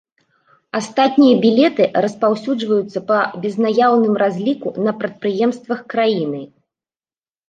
Астатнія білеты распаўсюджваюцца па безнаяўным разліку на прадпрыемствах краіны.